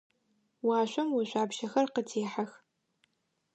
Уашъом ошъуапщэхэр къытехьэх.